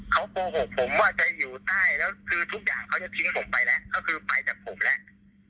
เขาโกหกผมว่าจะอยู่ใต้แล้วคือทุกอย่างเขาจะทิ้งผมไปแล้วก็คือไปจากผมแล้ว